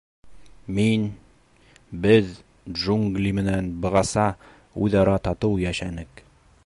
— Мин... беҙ джунгли менән бығаса үҙ-ара татыу йәшәнек.